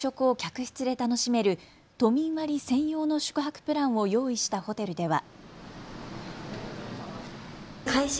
人気の紅茶や軽食を客室で楽しめる都民割専用の宿泊プランを用意したホテルでは。